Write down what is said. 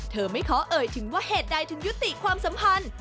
ไม่ขอเอ่ยถึงว่าเหตุใดถึงยุติความสัมพันธ์